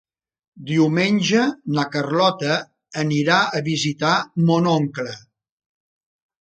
Diumenge na Carlota anirà a visitar mon oncle.